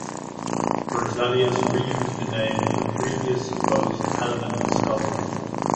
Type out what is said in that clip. Berzelius reused the name of the previous supposed element discovery.